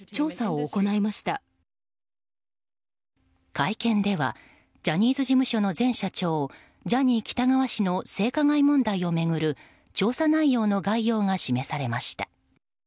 会見ではジャニーズ事務所の前社長ジャニー喜多川氏の性加害問題を巡る調査内容の概要が示されました。